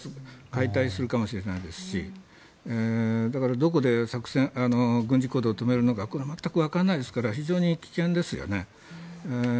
解体するかもしれないですしどこで作戦軍事行動を止めるのかこれは全くわからないですから非常に危険ですよね。